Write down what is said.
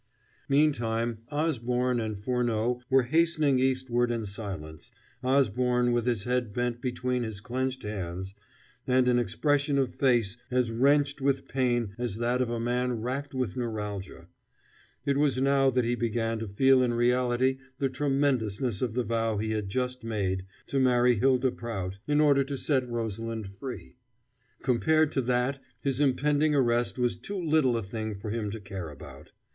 Meantime, Osborne and Furneaux were hastening eastward in silence, Osborne with his head bent between his clenched hands, and an expression of face as wrenched with pain as that of a man racked with neuralgia. It was now that he began to feel in reality the tremendousness of the vow he had just made to marry Hylda Prout, in order to set Rosalind free. Compared to that his impending arrest was too little a thing for him to care about.